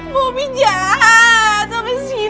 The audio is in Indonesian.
bobi jahat sampai sini